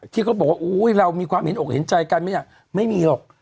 ที่เขาบอกว่าเรามีความเห็นอกเห็นใจกันไม่มีหรอก